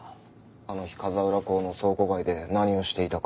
あの日風浦港の倉庫街で何をしていたか。